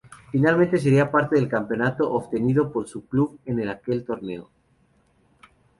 Finalmente sería parte del campeonato obtenido por su club en aquel torneo.